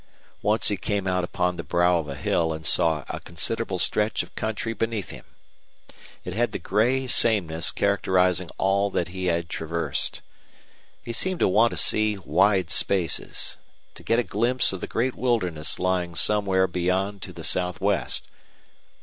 Once he came out upon the brow of a hill and saw a considerable stretch of country beneath him. It had the gray sameness characterizing all that he had traversed. He seemed to want to see wide spaces to get a glimpse of the great wilderness lying somewhere beyond to the southwest.